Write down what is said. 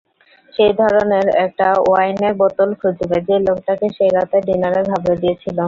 সেই ধরণের একটা ওয়াইনের বোতল খুঁজবে, যা লোকটাকে সেই রাতে ডিনারে ঘাবড়ে দিয়েছিল।